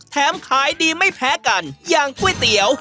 ขายดีไม่แพ้กันอย่างก๋วยเตี๋ยว